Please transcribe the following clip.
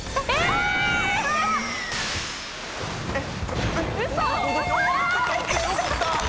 えっ？